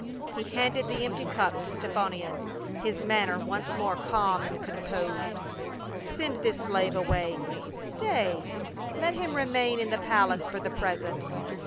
He handed the empty cup to Stephanion, his manner once more calm and composed. "Send this slave away. — Stay, let him remain in the palace for the present.